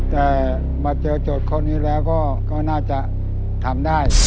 แต่มาเจอโจทย์ข้อนี้แล้วก็น่าจะทำได้